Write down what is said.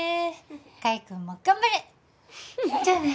海くんも頑張れじゃあね